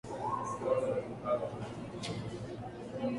Tras la disolución del grupo CoBrA, se ocupó cada vez más con la arquitectura.